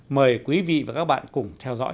mời quý vị và các bạn cùng theo dõi